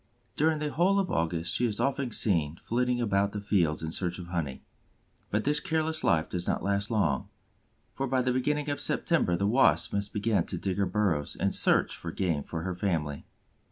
During the whole of August she is often seen flitting about the fields in search of honey. But this careless life does not last long, for by the beginning of September the Wasp must begin to dig her burrows and search for game for her family.